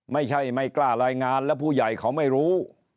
ไม่กล้ารายงานแล้วผู้ใหญ่เขาไม่รู้